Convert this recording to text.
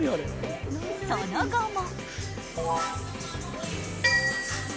その後も。